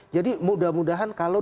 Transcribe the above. jadi mudah mudahan kalau